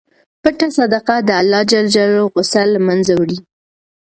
پټه صدقه د اللهﷻ غصه له منځه وړي.